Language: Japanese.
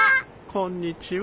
こんにちは。